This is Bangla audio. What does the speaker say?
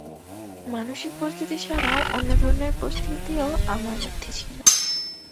মানসিক প্রস্তুতি ছাড়াও অন্য ধরনের প্রস্তুতিও আমার মধ্যে ছিল।